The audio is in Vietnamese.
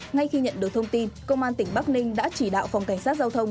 ngay khi nhận được thông tin công an tỉnh bắc ninh đã chỉ đạo phòng cảnh sát giao thông